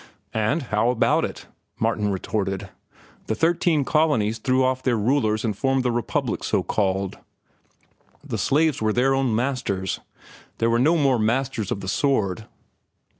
"And how about it?" Martin retorted. "The thirteen colonies threw off their rulers and formed the Republic so called. The slaves were their own masters. There were no more masters of the sword.